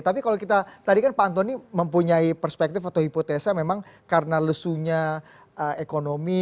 tapi kalau kita tadi kan pak antoni mempunyai perspektif atau hipotesa memang karena lesunya ekonomi